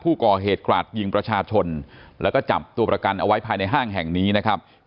ก่อเหตุกราดยิงประชาชนแล้วก็จับตัวประกันเอาไว้ภายในห้างแห่งนี้นะครับ